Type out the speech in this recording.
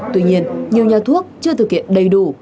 tuy nhiên nhiều nhà thuốc chưa thực hiện đầy đủ